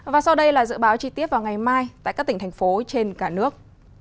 và sau đây là dự báo chi tiết vào ngày mai tại các tỉnh thành phố trên cả nước